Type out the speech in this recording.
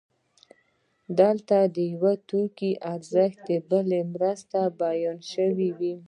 دلته د یو توکي ارزښت د بل په مرسته بیان شوی